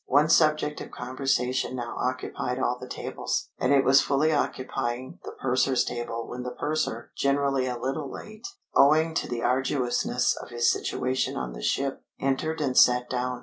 One subject of conversation now occupied all the tables. And it was fully occupying the purser's table when the purser, generally a little late, owing to the arduousness of his situation on the ship, entered and sat down.